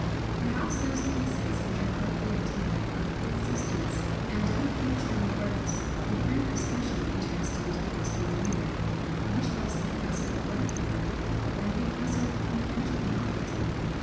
Perhaps those pieces which reflect the ideas of preexistence and of future rebirths will prove especially interesting to the Western reader, — much less because of poetical worth than because of comparative novelty.